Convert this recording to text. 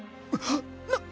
あっ！